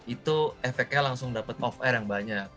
itu efeknya langsung dapat off air yang banyak